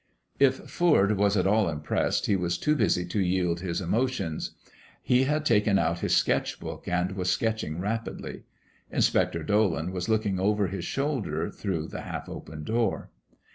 If Foord was at all impressed he was too busy to yield to his emotions. He had taken out his sketch book and was sketching rapidly. Inspector Dolan was looking over his shoulder through the half open door.